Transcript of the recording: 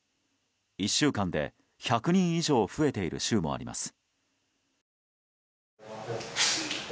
１週間で１００人以上増えている週もあります。